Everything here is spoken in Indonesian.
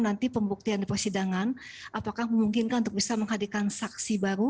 nanti pembuktian di persidangan apakah memungkinkan untuk bisa menghadirkan saksi baru